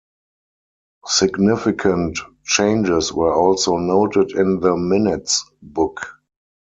Significant changes were also noted in the minutes book.